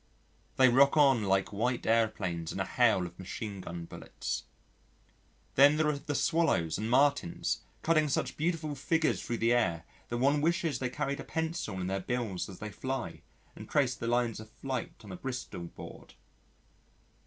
They rock on like white aeroplanes in a hail of machine gun bullets. Then there are the Swallows and Martins cutting such beautiful figures thro' the air that one wishes they carried a pencil in their bills as they fly and traced the lines of flight on a Bristol board.